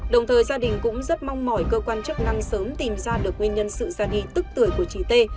đồng thời gia đình cũng rất mong mỏi cơ quan chức năng sớm tìm ra được nguyên nhân sự ra đi tức tưởi của chị tê